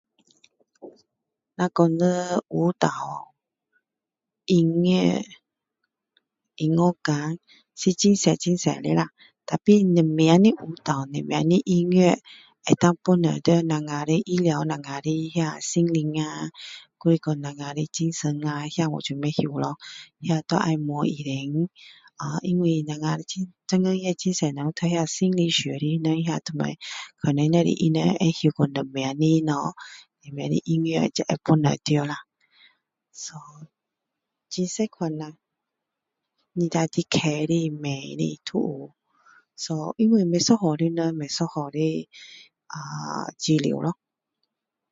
若说人舞蹈音乐音乐啊是很多很多的啦tapi什么的舞蹈什么的音乐能够帮助到我们的医疗我们的心灵啊或者说我们的精神啊那我就不知道咯那就要问医生因为我们现今也很多很多人读那个心理学的也都是他们可能只有他们知道说什么的东西什么的音乐才会帮助到啦so很多种啦你要快的慢的都有so因为不一样的人不一样的治疗咯